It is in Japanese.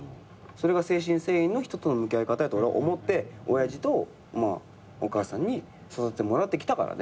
それが誠心誠意の人との向き合い方やと俺は思って親父とお母さんに育ててもらってきたからね。